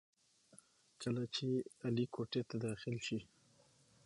کله چې علي کوټې ته داخل شي،